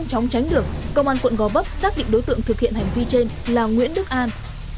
công an quận gò bấp xác định đối tượng thực hiện hành vi trên là nguyễn đức an